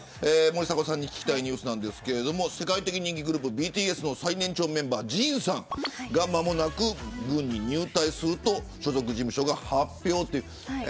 森迫さんに聞きたいニュースですが世界的人気グループ、ＢＴＳ最年長メンバーＪＩＮさんが間もなく軍に入隊すると所属事務所が発表。